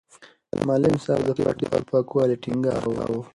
معلم صاحب د پټي په پاکوالي ټینګار کاوه.